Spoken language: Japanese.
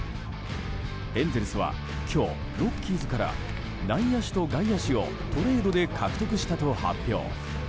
エンゼルスは今日ロッキーズから内野手と外野手をトレードで獲得したと発表。